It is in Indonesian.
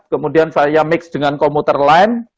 kemudian saya mix dengan komuter lain